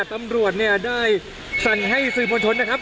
ตำรวจเนี่ยได้สั่งให้สื่อมวลชนนะครับ